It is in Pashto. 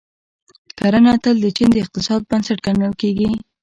کرنه تل د چین د اقتصاد بنسټ ګڼل کیږي.